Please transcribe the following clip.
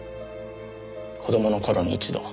子供の頃に一度。